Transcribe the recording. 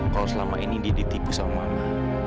kalau selama ini dia ditipu sama mama